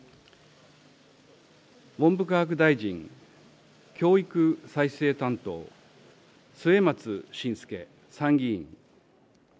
文部科学大臣、教育再生担当、末松信介、参議院。